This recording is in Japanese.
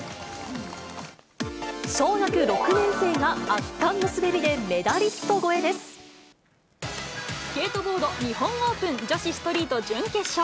小学６年生が圧巻の滑りでメスケートボード日本オープン女子ストリート準決勝。